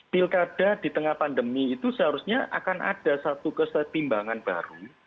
pilkada di tengah pandemi itu seharusnya akan ada satu kesetimbangan baru